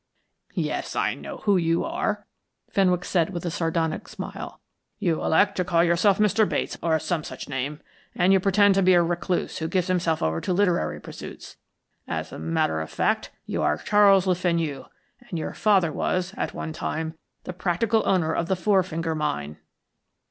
"Yes, I know who you are," Fenwick said with a sardonic smile. "You elect to call yourself Mr. Bates, or some such name, and you pretend to be a recluse who gives himself over to literary pursuits. As a matter of fact, you are Charles Le Fenu, and your father was, at one time, the practical owner of the Four Finger Mine."